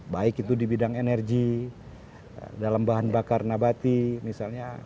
baik itu di bidang energi dalam bahan bakar nabati misalnya